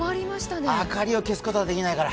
明かりを消すことはできないから。